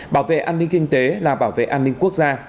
bảo vệ an ninh kinh tế là bảo vệ an ninh quốc gia